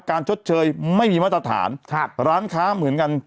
การชดเชยไม่มีมาตรฐาน